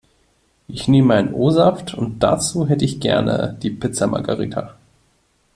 Ich nehme ein O-Saft und dazu hätte ich gerne die Pizza Margarita.